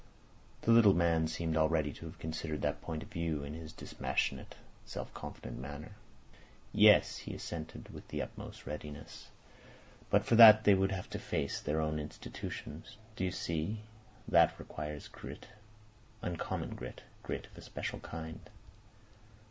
The little man seemed already to have considered that point of view in his dispassionate self confident manner. "Yes," he assented with the utmost readiness. "But for that they would have to face their own institutions. Do you see? That requires uncommon grit. Grit of a special kind."